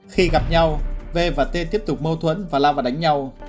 khi gặp nhau v và t tiếp tục mâu thuẫn và lao vào đánh nhau